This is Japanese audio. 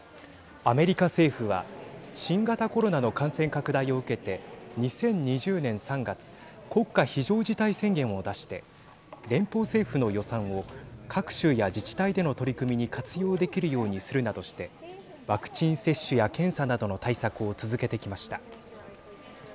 アメリカ政府は新型コロナの感染拡大を受けて２０２０年３月国家非常事態宣言を出して連邦政府の予算を各州や自治体での取り組みに活用できるようにするなどしてワクチン接種や検査などの対策を続けてきました。